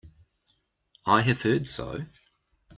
I have heard so.